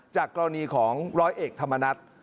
จากกรณีของร้อยเอกธรรมนัฐ